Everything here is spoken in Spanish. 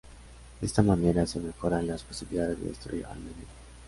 De esta manera se mejoran las posibilidades de destruir al enemigo.